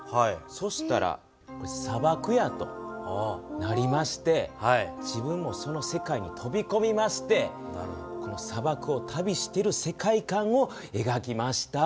そしたらこれ砂漠やとなりまして自分もその世界に飛びこみまして砂漠を旅してる世界観をえがきました。